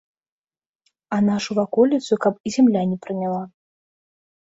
А нашу ваколіцу каб і зямля не прыняла.